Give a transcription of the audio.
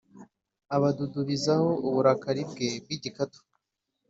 abadudubizaho uburakari bwe bw’igikatu;